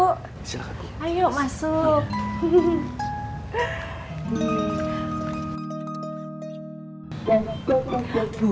bu terima kasih banyak sekali bu